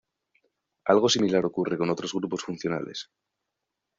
Algo similar ocurre con otros grupos funcionales.